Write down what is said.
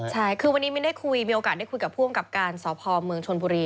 ใช่คือวันนี้มีโอกาสได้คุยกับผู้อำกับการสภอมเมืองชนบุรี